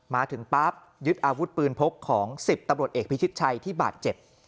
มาถึงปั๊บยึดอาวุธปืนพกของ๑๐ตำรวจเอกพิชิตชัยที่บาดเจ็บ